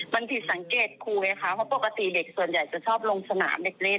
มันผิดสังเกตครูไงคะเพราะปกติเด็กส่วนใหญ่จะชอบลงสนามเด็กเล่น